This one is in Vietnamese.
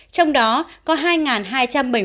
trong đó có hai hai trăm năm mươi ca